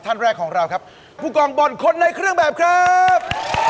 ท่านแรกของเราครับผู้กองบอลคนในเครื่องแบบครับ